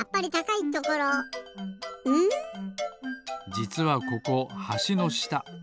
じつはここはしのした。